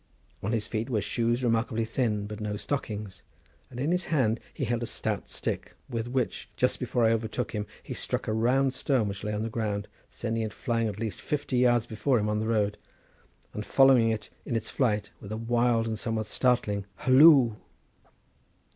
On his feet were shoes remarkably thin, but no stockings, and in his hand he held a stout stick, with which, just before I overtook him, he struck a round stone which lay on the ground, sending it flying at least fifty yards before him on the road, and following it in its flight with a wild and somewhat startling halloo.